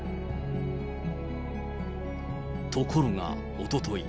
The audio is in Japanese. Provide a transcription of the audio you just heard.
ところがおととい。